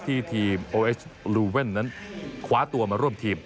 ทีมโอเอชลูเว่นนั้นคว้าตัวมาร่วมทีม